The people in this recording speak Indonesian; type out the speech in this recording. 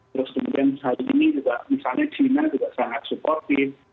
terus kemudian hari ini juga misalnya china juga sangat supportif